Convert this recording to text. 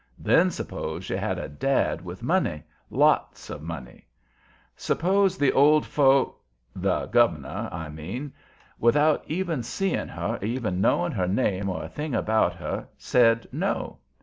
Then suppose you had a dad with money, lots of money. Suppose the old fo the gov'nor, I mean without even seeing her or even knowing her name or a thing about her, said no.